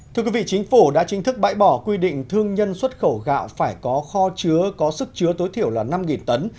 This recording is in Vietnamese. thưa quý vị chính phủ đã chính thức bãi bỏ quy định thương nhân xuất khẩu gạo phải có kho chứa có sức chứa tối thiểu là năm tấn